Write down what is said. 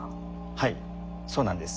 はいそうなんです。